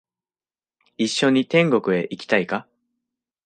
一緒に天国へ行きたいか？